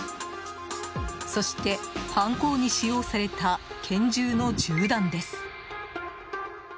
そして、犯行に使用された拳銃の銃弾です。